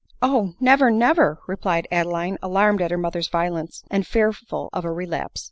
" Oh ! never, never !" replied Adeline, alarmed at her mother's violence, and fearful of a relapse.